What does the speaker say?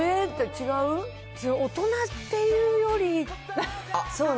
大人っていうより。